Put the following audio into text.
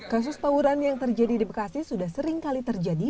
kasus tawuran yang terjadi di bekasi sudah sering kali terjadi